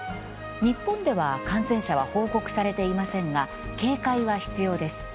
日本では感染者は報告されていませんが警戒は必要です。